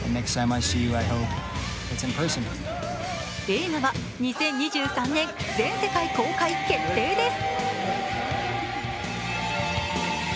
映画は２０２３年全世界公開決定です。